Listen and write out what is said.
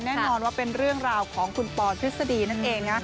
แน่นอนว่าเป็นเรื่องราวของคุณปอทฤษฎีนั่นเองนะ